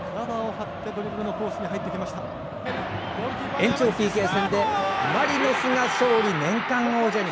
延長ＰＫ戦でマリノスが勝利年間王者に。